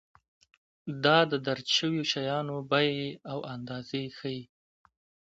دا د درج شویو شیانو بیې او اندازې ښيي.